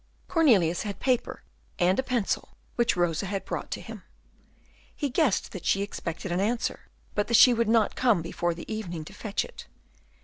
Cornelius had paper and a pencil which Rosa had brought to him. He guessed that she expected an answer, but that she would not come before the evening to fetch it.